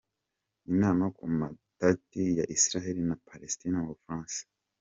Inama ku matati ya Israel na Palestine mu Bufaransa.